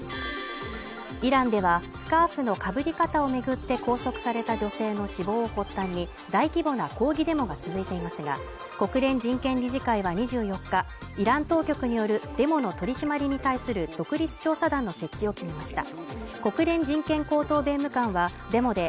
イランではスカーフの被り方を巡って拘束された女性の死亡を発端に大規模な抗議デモが続いていますが国連人権理事会は２４日イラン当局によるデモの取り締まりに対する独立調査団の設置を決めました